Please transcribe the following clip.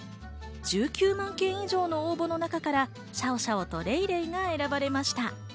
１９万件以上の応募の中からシャオシャオとレイレイが選ばれました。